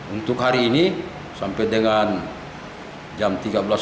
untuk hari ini sampai dengan jam tiga belas dua puluh